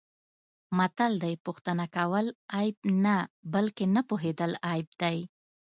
متل دی: پوښتنه کول عیب نه، بلکه نه پوهېدل عیب دی.